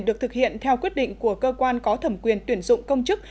được thực hiện theo quyết định của cơ quan có thẩm quyền tuyển dụng công chức